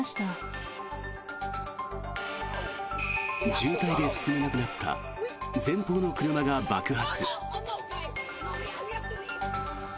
渋滞で進めなくなった前方の車が爆発。